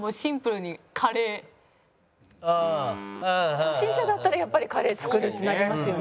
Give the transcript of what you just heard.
初心者だったらやっぱりカレー作るってなりますよね。